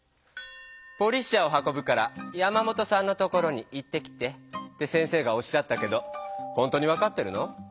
「ポリッシャーを運ぶから山本さんの所に行ってきて」って先生がおっしゃったけどほんとに分かってるの？